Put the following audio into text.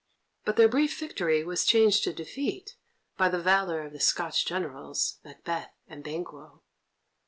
But their brief victory was changed to defeat by the valour of the Scotch Generals, Macbeth and Banquo.